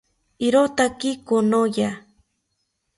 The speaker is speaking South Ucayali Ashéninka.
Irotaki konoya